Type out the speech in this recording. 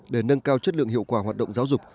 để nâng cao chất lượng hiệu quả hoạt động giáo dục